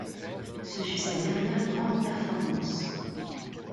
Ce fut sa dernière grande performance.